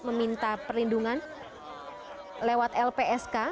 meminta perlindungan lewat lpsk